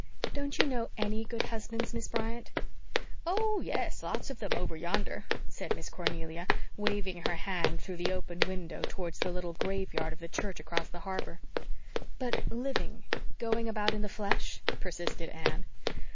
"Don't you know ANY good husbands, Miss Bryant?" "Oh, yes, lots of them over yonder," said Miss Cornelia, waving her hand through the open window towards the little graveyard of the church across the harbor. "But living going about in the flesh?" persisted Anne.